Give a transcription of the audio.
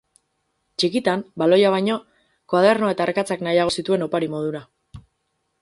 Txikitan, baloia baino, koadernoa eta arkatzak nahiago zituen opari modura.